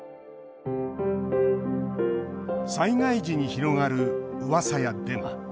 災害時に広がる、うわさやデマ。